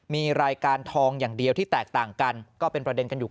มีรายการทองอย่างเดียวที่แตกต่างกันก็เป็นประเด็นกันอยู่